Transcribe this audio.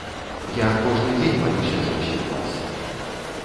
Я кожны дзень малюся за ўсіх вас.